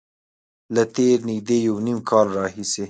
له تېر نږدې یو نیم کال راهیسې